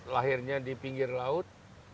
lahirnya di pinggir laut